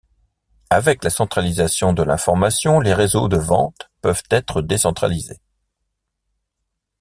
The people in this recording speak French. Avec la centralisation de l’information, les réseaux de vente peuvent être décentralisés.